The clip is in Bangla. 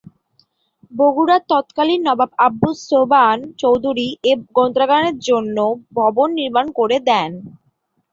বগুড়ার তৎকালীন নবাব আব্দুস সোবহান চৌধুরী এ গ্রন্থাগারের জন্য ভবন নির্মাণ করে দেন।